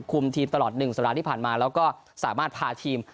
คุมทีมตลอด๑สัปดาห์ที่ผ่านมาแล้วก็สามารถพาทีม